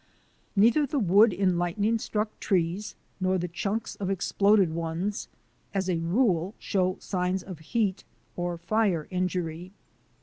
Neither the wood in lightning struck trees nor the chunks of exploded ones as a rule show signs of heat or fire injury.